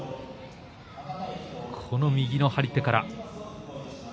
右の張り手から。